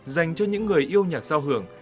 dành cho những người yêu nhạc giao hưởng